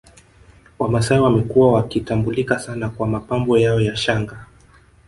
Wamasai wamekuwa wakitambulika sana kwa mapambo yao ya shanga